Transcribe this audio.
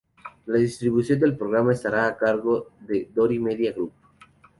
La distribución del programa estará a cargo de Dori Media Group.